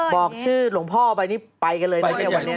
บอกชื่อหลวงพ่อไปนี่ไปกันเลยนะเนี่ยวันนี้